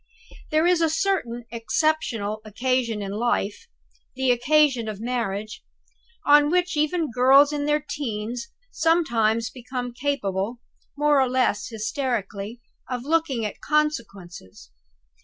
There is a certain exceptional occasion in life the occasion of marriage on which even girls in their teens sometimes become capable (more or less hysterically) of looking at consequences.